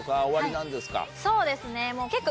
そうですね結構。